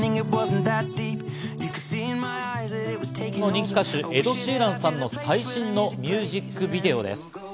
人気歌手エド・シーランさんの最新のミュージックビデオです。